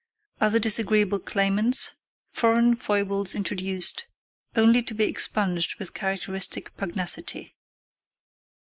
OTHER DISAGREEABLE CLAIMANTS: FOREIGN FOIBLES INTRODUCED, ONLY TO BE EXPUNGED WITH CHARACTERISTIC PUGNACITY.